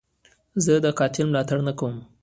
زه د قاتل ملاتړ نه کوم.